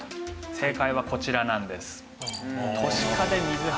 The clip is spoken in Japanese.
正解はこちらなんです。